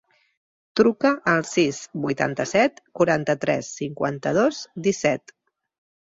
Truca al sis, vuitanta-set, quaranta-tres, cinquanta-dos, disset.